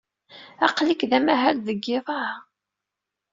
Aql-ik d amahal deg yiḍ-a?